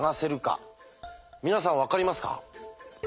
皆さん分かりますか？